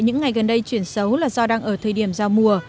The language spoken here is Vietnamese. những ngày gần đây chuyển xấu là do đang ở thời điểm giao mùa